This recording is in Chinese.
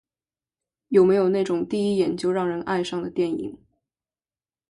有没有那种第一眼就让人爱上的电影？